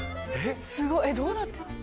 すごい！どうなってるの？